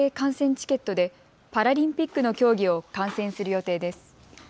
チケットでパラリンピックの競技を観戦する予定です。